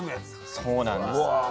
そうなんです。